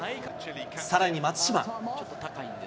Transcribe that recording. さらに松島。